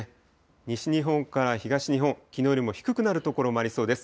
西日本から東日本、きのうよりも低くなる所もありそうです。